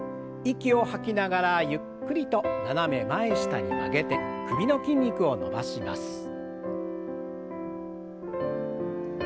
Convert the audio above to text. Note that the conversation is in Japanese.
息を吐きながらゆっくりと斜め前下に曲げて首の筋肉を伸ばします。